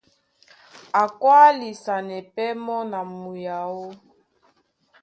A kwálisanɛ pɛ́ mɔ́ na muyaó.